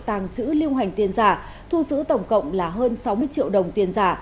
tàng trữ lưu hành tiền giả thu giữ tổng cộng là hơn sáu mươi triệu đồng tiền giả